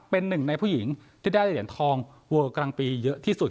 เป็นหนึ่งในผู้หญิงที่ได้เหรียญทองเวิลกลางปีเยอะที่สุด